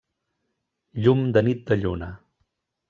Llum de nit de lluna.